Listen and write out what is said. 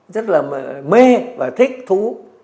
rất là mê và thích thú